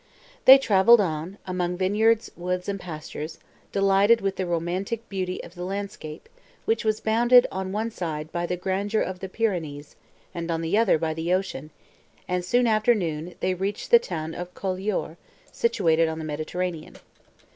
They travelled on, among vineyards, woods, and pastures, delighted with the romantic beauty of the landscape, which was bounded, on one side, by the grandeur of the Pyrenees, and, on the other, by the ocean; and, soon after noon, they reached the town of Colioure, situated on the Mediterranean.